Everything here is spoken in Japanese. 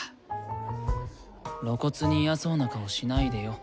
露骨に嫌そうな顔しないでよ。